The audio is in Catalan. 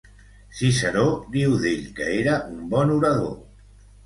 Ciceró diu d'ell que era un bon orador.